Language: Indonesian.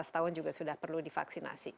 lima belas tahun juga sudah perlu divaksinasi